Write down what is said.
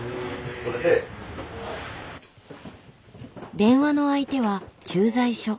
電話の相手は駐在所。